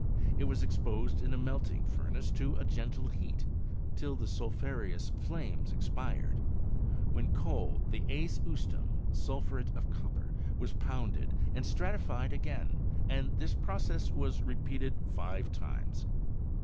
It was exposed in a melting furnace to a gentle heat, till the sulphureous flames expired. When cold, the «es ustum (sulphuret of copper) was pounded, and stratified again ; and this process was repeated fi^Q times.